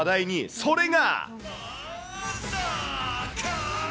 それが。